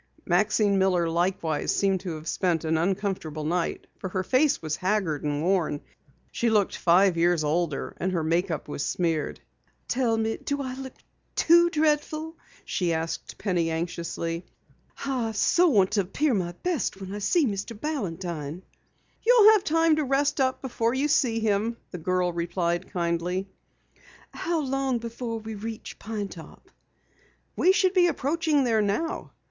Maxine Miller likewise seemed to have spent an uncomfortable night, for her face was haggard and worn. She looked five years older and her make up was smeared. "Tell me, do I look too dreadful?" she asked Penny anxiously. "I want to appear my best when I meet Mr. Balantine." "You'll have time to rest up before you see him," the girl replied kindly. "How long before we reach Pine Top?" "We should be approaching there now."